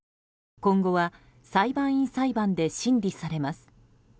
今後は裁判員裁判で審理されます。